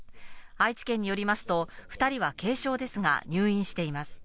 愛知県によりますと２人は軽症ですが入院しています。